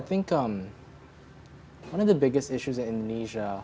salah satu masalah yang paling besar di indonesia